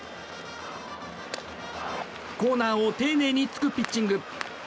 コーナーを丁寧につくピッチング。